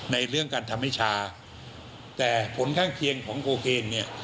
ในเรื่องการทำให้ชาแต่ผลข้างเคียงของโคเคนเนี่ย